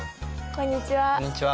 こんにちは。